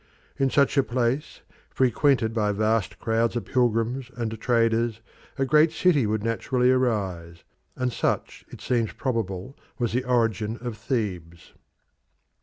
In such a place, frequented by vast crowds of pilgrims and traders, a great city would naturally arise, and such it seems probable was the origin of Thebes.